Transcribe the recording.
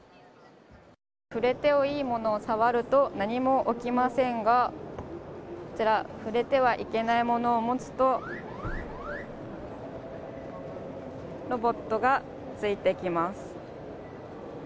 触れていいものを触ると何も起きませんがこちら触れてはいけないものを持つとロボットがついてきます。